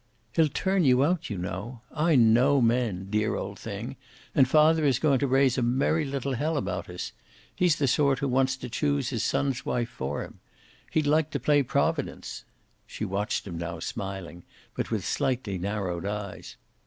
"He'll turn you out, you know. I know men, dear old thing, and father is going to raise a merry little hell about us. He's the sort who wants to choose his son's wife for him. He'd like to play Providence." She watched him, smiling, but with slightly narrowed eyes.